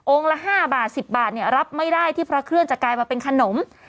ละ๕บาท๑๐บาทเนี่ยรับไม่ได้ที่พระเครื่องจะกลายมาเป็นขนม